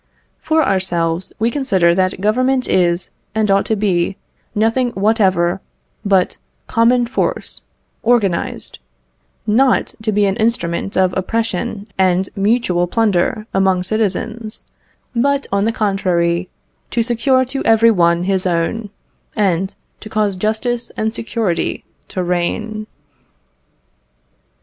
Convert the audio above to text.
For ourselves, we consider that Government is and ought to be nothing whatever but common force organized, not to be an instrument of oppression and mutual plunder among citizens; but, on the contrary, to secure to every one his own, and to cause justice and security to reign.